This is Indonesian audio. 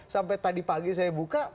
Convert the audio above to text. sampai tadi pagi saya buka